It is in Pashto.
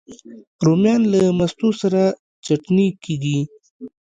رومیان له مستو سره چټني کېږي